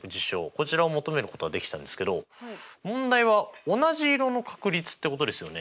こちらを求めることができたんですけど問題は同じ色の確率ってことですよね？